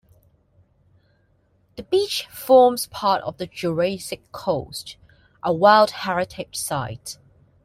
The beach forms part of the "Jurassic Coast", a World Heritage Site.